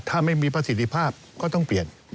ถ้าไม่มีประสิทธิภาพก็ต้องเปลี่ยน